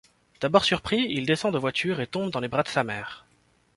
D'abord surpris, il descend de voiture et tombe dans les bras de sa mère.